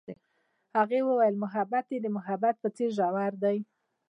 هغې وویل محبت یې د محبت په څېر ژور دی.